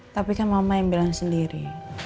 tapi kan mama yang bilang sendiri